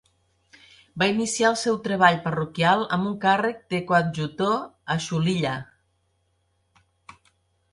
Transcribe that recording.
Va iniciar el seu treball parroquial amb un càrrec de coadjutor a Xulilla.